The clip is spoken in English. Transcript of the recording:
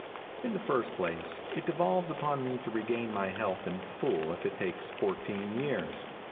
In the first place, it devolves upon me to regain my health in full if it takes fourteen years.